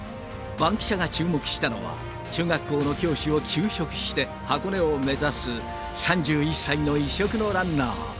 バンキシャが注目したのは、中学校の教師を休職して、箱根を目指す３１歳の異色のランナー。